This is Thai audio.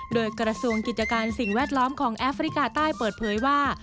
โดยกระทรวงกิจการสิ่งแวดล้อมของแอฟริกาใต้เปิดเผยว่า